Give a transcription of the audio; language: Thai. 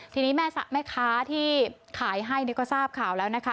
ทีนี้แม่ค้าที่ขายให้ก็ทราบข่าวแล้วนะคะ